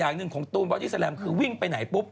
อันนั้นของตุ๋นโบราทีแซล์รามคือวิ่งไปไหนปุ๊บ